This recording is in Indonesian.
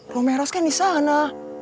romeros kan disana